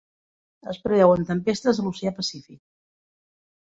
Es preveuen tempestes a l'oceà Pacífic.